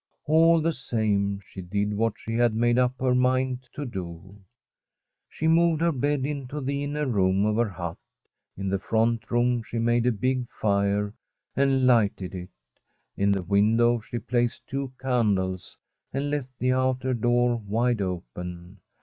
All the same, she did what she had made up her mind to do. She moved her bed into the inner room of her hut. In the front room she made a big fire and lighted it. In the window she placed two can dles, and left the outer door wide open.